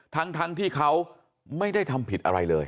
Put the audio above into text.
ทั้งที่เขาไม่ได้ทำผิดอะไรเลย